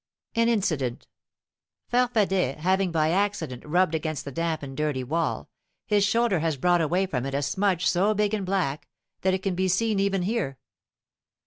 An incident: Farfadet having by accident rubbed against the damp and dirty wall, his shoulder has brought away from it a smudge so big and black that it can be seen even here.